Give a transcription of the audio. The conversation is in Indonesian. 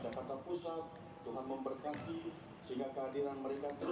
jemaat pusat tuhan memberkati sehingga kehadiran mereka